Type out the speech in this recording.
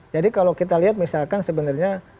jadi kalau kita lihat misalkan sebenarnya